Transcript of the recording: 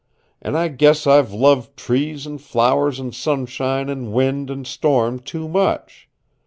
And I guess I've loved trees and flowers and sunshine and wind and storm too much.